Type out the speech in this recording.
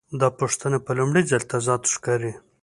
دا پوښتنه په لومړي ځل تضاد ښکاري.